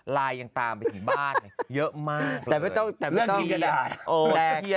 ไลน์ยังตามไปถึงบ้านเยอะมากเลย